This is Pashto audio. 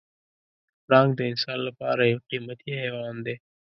پړانګ د انسان لپاره یو قیمتي حیوان دی.